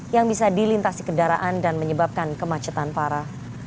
yang bisa dilintasi kendaraan dan menyebabkan kemacetan parah